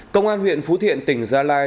công an huyện phú thiện tỉnh gia lai